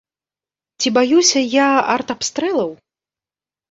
Ці баюся я артабстрэлаў?